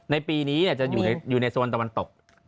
ในปีนี้จะอยู่ในโซนตะวันตก